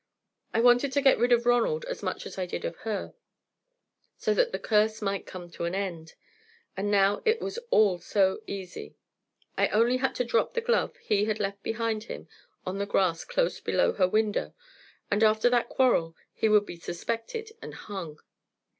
I wanted to get rid of Ronald as much as I did of her, so that the curse might come to an end, and now it was all so easy. I had only to drop the glove he had left behind him on the grass close below her window, and after that quarrel he would be suspected and hung.